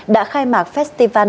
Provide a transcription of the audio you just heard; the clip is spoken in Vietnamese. đã khai mạc festival